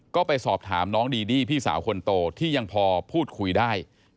ก็ไปสอบถามน้องดีดี้พี่สาวคนโตที่ยังพอพูดคุยได้